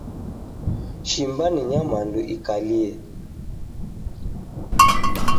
Shimba ni nyamandu ikalie.